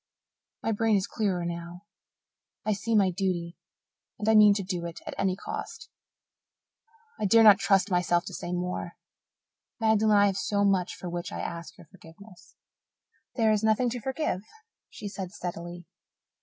My brain is clearer now. I see my duty and I mean to do it at any cost. I dare not trust myself to say more. Magdalen, I have much for which to ask your forgiveness." "There is nothing to forgive," she said steadily.